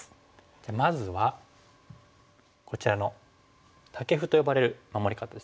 じゃあまずはこちらのタケフと呼ばれる守り方ですよね。